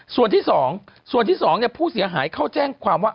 ส่วนที่๒ส่วนที่๒ผู้เสียหายเข้าแจ้งความว่า